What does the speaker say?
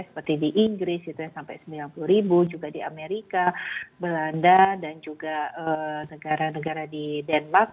seperti di inggris itu yang sampai sembilan puluh ribu juga di amerika belanda dan juga negara negara di denmark